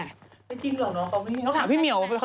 ไม่จริงหรอกน้องเขา